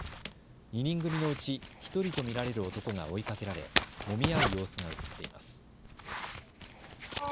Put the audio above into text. ２人組のうち１人と見られる男が追いかけられ、もみ合う様子が映っています。